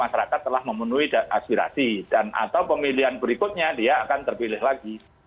masyarakat telah memenuhi aspirasi dan atau pemilihan berikutnya dia akan terpilih lagi